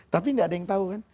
tapi tidak ada yang tahu kan